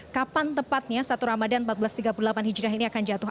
kapan tepatnya satu ramadhan empat belas tiga puluh delapan hijriah ini akan jatuh